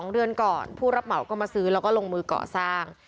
๒เดือนก่อนผู้รับเหมาก็มาซื้อแล้วก็ลงมือก่อสร้าง